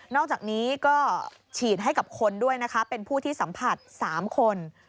อกจากนี้ก็ฉีดให้กับคนด้วยนะคะเป็นผู้ที่สัมผัส๓คน